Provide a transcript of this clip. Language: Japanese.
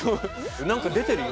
⁉何か出てるよ